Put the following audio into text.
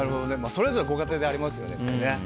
それぞれご家庭でありますよね。